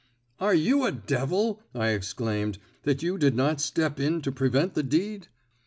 "Are you a devil," I exclaimed, "that you did not step in to prevent the deed?"